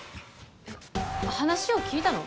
え話を聞いたの？